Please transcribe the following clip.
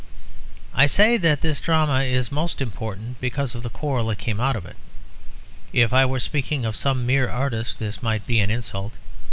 I say that this drama is most important because of the quarrel that came out of it. If I were speaking of some mere artist this might be an insult.